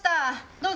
どうぞ。